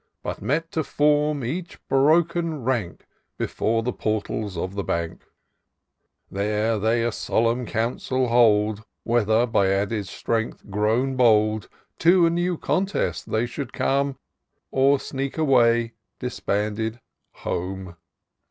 But met to form each broken rank. Before the portals of the Bank i There they a solemn council hold, Whether, by added strength grown bold, To a new contest they should come. Or sneak away disbanded home.